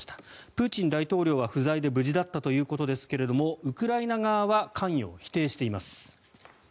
プーチン大統領は不在で無事だったということですけどもウクライナ側は関与を否定しています。